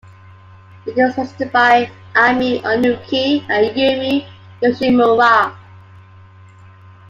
It was hosted by Ami Onuki and Yumi Yoshimura.